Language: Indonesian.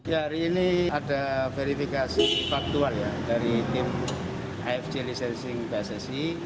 hari ini ada verifikasi faktual dari tim afc licensing basisi